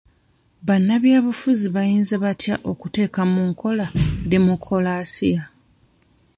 Bannabyabufuzi bayinza batya okuteeka mu nkola demokolasiya?